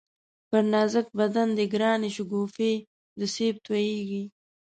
پر نازک بدن دی گرانی شگوفې د سېب تویېږی